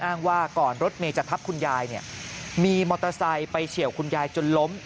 อ้างว่าก่อนรถเมย์จะทับคุณยายเนี่ยมีมอเตอร์ไซค์ไปเฉียวคุณยายจนล้ม